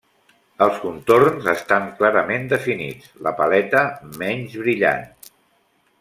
Els contorns estan clarament definits, la paleta menys brillant.